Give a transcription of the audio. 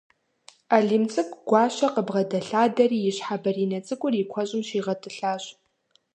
Алим цӏыкӏу Гуащэ къыбгъэдэлъадэри, и щхьэ бэринэ цӏыкӏур и куэщӏым щигъэтӏылъащ.